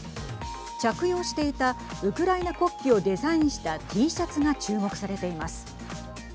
着用していたウクライナ国旗をデザインしたＴシャツが注目されています。